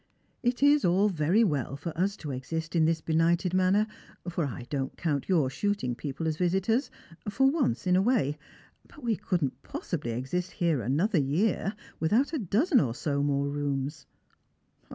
" It is all very well for us to exist in this benighted manner — for I don't count your shooting people as visitors — for once in a way, but we couldn't possibly exist here another yeat without a dozen or so more rooms."